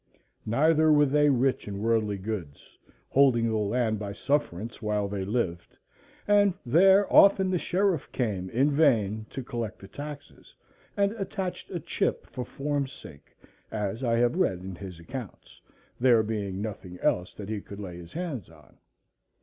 Neither were they rich in worldly goods, holding the land by sufferance while they lived; and there often the sheriff came in vain to collect the taxes, and "attached a chip," for form's sake, as I have read in his accounts, there being nothing else that he could lay his hands on.